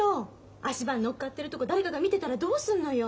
足場に乗っかってるとこ誰かが見てたらどうすんのよ？